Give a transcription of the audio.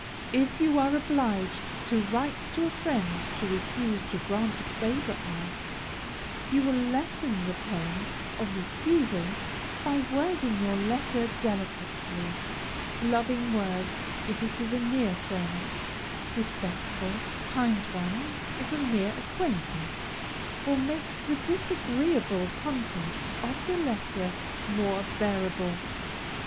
If you are obliged to write to a friend to refuse to grant a favor asked, you will lessen the pain of refusal by wording your letter delicately. Loving words, if it is a near friend, respectful, kind ones if a mere acquaintance, will make the disagreeable contents of the letter more bearable.